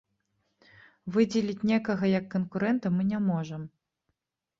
Выдзеліць некага як канкурэнта мы не можам.